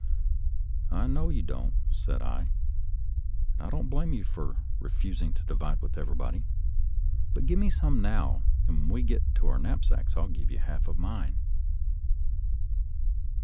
I know you don't," said I, " and I don't blame you for refusing to divide with every body; but give me some now, and when we get to our knapsacks I'll give you half of mine."